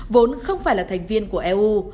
vốn không phải là thành viên của eu